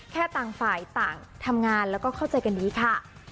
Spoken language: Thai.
ต่างฝ่ายต่างทำงานแล้วก็เข้าใจกันดีค่ะ